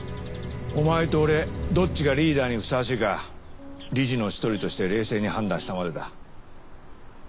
お前と俺どっちがリーダーにふさわしいか理事の１人として冷静に判断したまでだ。